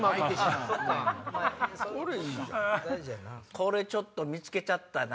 これちょっと見つけちゃったな。